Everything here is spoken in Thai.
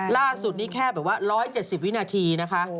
ล่าสุดนี้แค่แบบว่า๑๗๐วินาทีนะคะ